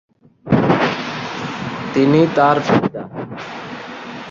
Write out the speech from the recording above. তিনি তার পিতা, মুহাদ্দিস এবং তৎকালীন বিদ্বান গোষ্ঠীর কাছ থেকে হাদিস ও ফিকাহ সম্পর্কে জ্ঞান লাভ করেন।